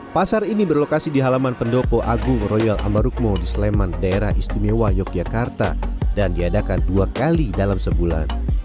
pasar ini berlokasi di halaman pendopo agung royal ambarukmo di sleman daerah istimewa yogyakarta dan diadakan dua kali dalam sebulan